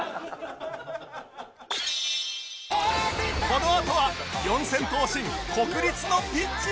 このあとは四千頭身国立のピッチへ